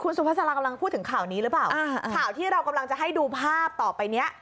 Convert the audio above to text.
สุภาษาลากำลังพูดถึงข่าวนี้หรือเปล่าอ่าข่าวที่เรากำลังจะให้ดูภาพต่อไปเนี้ย